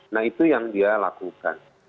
nah itu yang dia lakukan